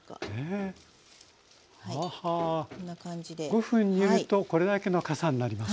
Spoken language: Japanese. ５分煮るとこれだけのかさになります。